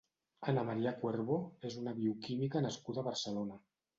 Ana María Cuervo és una bioquímica nascuda a Barcelona.